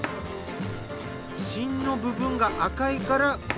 芯の部分が赤いから紅